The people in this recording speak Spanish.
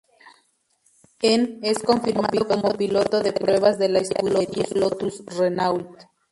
En es confirmado como piloto de pruebas de la escudería Lotus Renault.